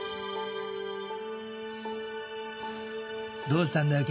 どうしたんだよ？